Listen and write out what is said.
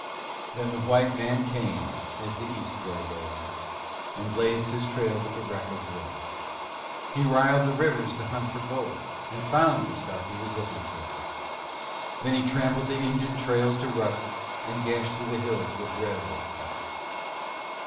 Then the White Man came, as the East growed old, And blazed his trail with the wreck of war. He riled the rivers to hunt for gold And found the stuff he was lookin' for; Then he trampled the Injun trails to ruts And gashed through the hills with railroad cuts.